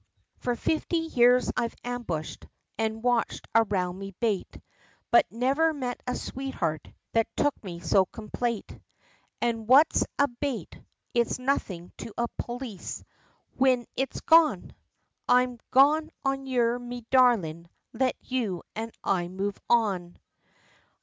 For fifty years I've ambushed, and watched around me bate, But never met a sweetheart, that took me so complate, And what's a bate? it's nothin' to a polis, whin he's gone! I'm gone on you me darlin', let you and I move on."